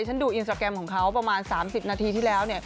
ฉันดูอินสตราแกรมของเขาประมาณ๓๐นาทีที่แล้วเนี่ย